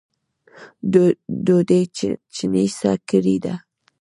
ډوډۍ چڼېسه کړې ده